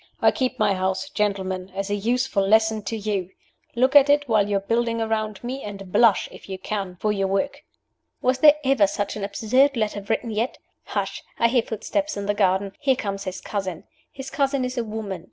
I keep my house, gentlemen, as a useful lesson to you. Look at it while you are building around me, and blush, if you can, for your work.' Was there ever such an absurd letter written yet? Hush! I hear footsteps in the garden. Here comes his cousin. His cousin is a woman.